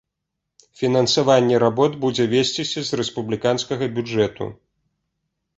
Фінансаванне работ будзе весціся з рэспубліканскага бюджэту.